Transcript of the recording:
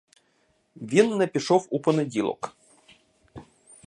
Він не пішов у понеділок.